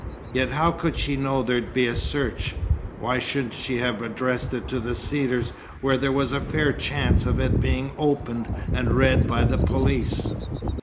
"Yet how could she know there'd be a search? Why shouldn't she have addressed it to the Cedars where there was a fair chance of its being opened and read by the police?